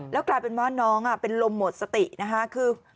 แล้วกลายเป็นว่าน้องเป็นลมหมดสตินะคะคือ